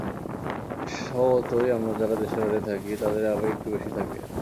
স্বভাবতই আমরা যারা দেশের বাইরে থাকি তাদের আবেগ একটু বেশি থাকে।